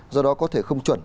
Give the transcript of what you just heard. do đó có thể không chuẩn